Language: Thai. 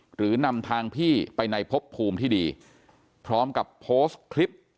หรือนำทางพี่ไปในพบภูมิที่ดีพร้อมกับโพสต์คลิป